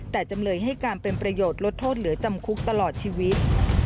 แต่จำเลยให้การเป็นประโยชน์ลดโทษเหลือจำคุกตลอดชีวิต